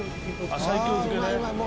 あっ西京漬けね。